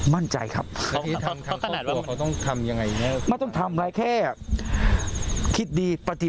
เสร็จเสียวไม่มีแล้วออกไป